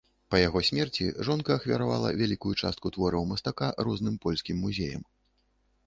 Па яго смерці жонка ахвяравала вялікую частку твораў мастака розным польскім музеям.